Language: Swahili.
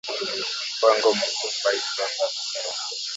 Mu mpango muko ba imbwa ba makali